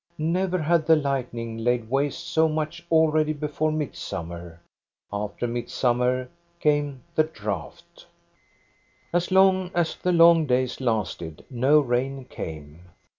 Never had the lightning laid waste so much already before midsummer — after midsummer came the drought. As long as the long days lasted, no rain came.